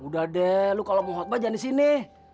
udah deh lo kalau mau khotbah jangan di sini